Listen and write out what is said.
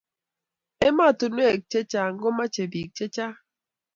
ematunwek chechang komache bik chechang